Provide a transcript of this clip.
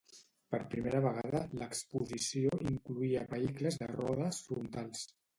Per primera vegada, l'exposició incloïa vehicles de rodes frontals.